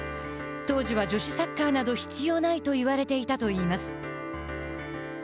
当時は女子サッカーなど必要ないと言われていたといいます。